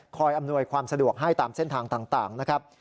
อำนวยความสะดวกให้ตามเส้นทางต่างนะครับ